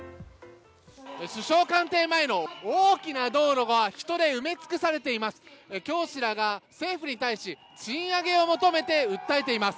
首相官邸前の大きな道路は人で埋め尽くされています。